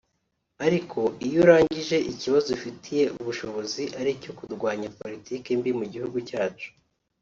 Ariko iyo urangije ikibazo ufitiye ubushobozi aricyo kurwanya politiki mbi mu gihugu cyacu